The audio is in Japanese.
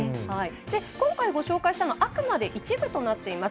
今回ご紹介したのはあくまで一部となっています。